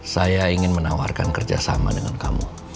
saya ingin menawarkan kerjasama dengan kamu